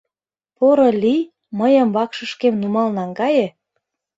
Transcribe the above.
порылий, мыйым вакшышкем нумал наҥгае.